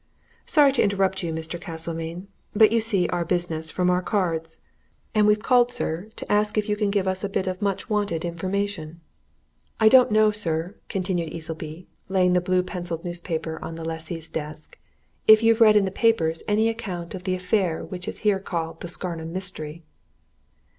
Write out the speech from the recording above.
"Sorry to interrupt you, Mr. Castlemayne, but you see our business from our cards, and we've called, sir, to ask if you can give us a bit of much wanted information. I don't know, sir," continued Easleby, laying the blue pencilled newspaper on the lessee's desk, "if you've read in the papers any account of the affair which is here called the Scarnham Mystery!"